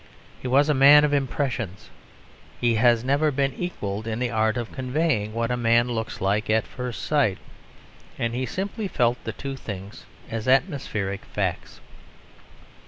He was a man of impressions; he has never been equalled in the art of conveying what a man looks like at first sight and he simply felt the two things as atmospheric facts.